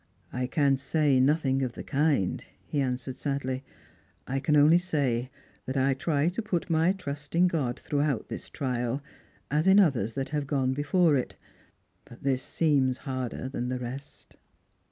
" I can say nothing of the kind," he answered sadly. "1 can only say that I try to put my trust in God throughout thia trial, as in others that have gone before it. But this seems harder than the rest."